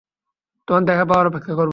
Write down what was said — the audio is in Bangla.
তোমার দেখা পাওয়ার অপেক্ষা করব।